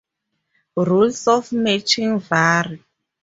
Rules of matching vary.